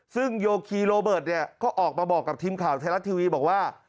ซึ่งโยคีโรเบิร์ตเนี่ยก็ออกมาบอกกับทีมข่าวไทยรัฐทีวีบอกว่า